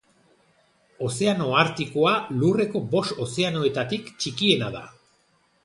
Ozeano Artikoa Lurreko bost ozeanoetatik txikiena da.